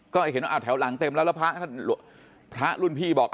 ก็เห็นว่าแถวหลังเต็มแล้วแล้วพระท่านพระรุ่นพี่บอก